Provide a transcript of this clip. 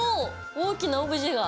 大きなオブジェが！